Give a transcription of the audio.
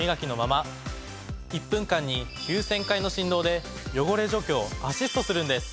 １分間に９，０００回の振動で汚れ除去をアシストするんです。